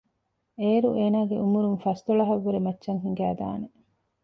އޭރު އޭނާގެ ޢުމުރުން ފަސްދޮޅަހަށް ވުރެން މައްޗަށް ހިނގައި ދާނެ